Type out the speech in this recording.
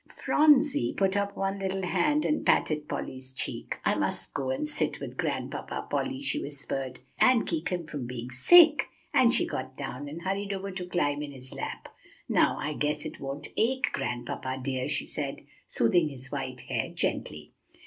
Phronsie put up one little hand and patted Polly's cheek. "I must go and sit with Grandpapa, Polly," she whispered, "and keep him from being sick." And she got down, and hurried over to climb in his lap. "Now I guess it won't ache, Grandpapa, dear," she said, smoothing his white hair gently.